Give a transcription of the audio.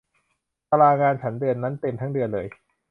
ตารางงานฉันเดือนนั้นเต็มทั้งเดือนเลย